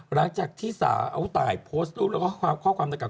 หลังจากที่สาวเอาตายโพสต์รูปแล้วก็ข้อความดังกล่า